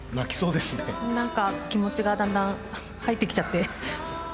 何か気持ちがだんだん入ってきちゃって。